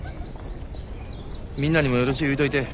みんなにもよろしゅう言うといて。